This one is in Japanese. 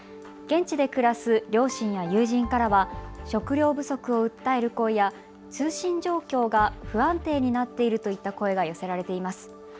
現地で暮らす両親や友人からは食料不足を訴える声や通信状況が不安定になっているといった声が寄せられています。